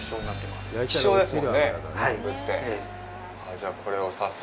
じゃあ、これを早速。